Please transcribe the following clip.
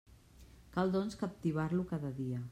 Cal, doncs, captivar-lo cada dia.